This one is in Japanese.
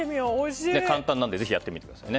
簡単なのでぜひやってみてください。